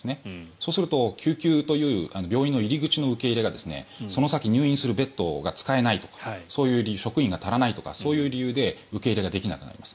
そうすると、救急という病院の入り口の受け入れがその先、入院するベッドが使えないとか職員が足らないとかそういう理由で受け入れができなくなります。